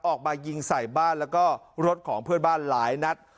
ออกมายิงใส่บ้านแล้วก็รถของเพื่อนบ้านหลายนัด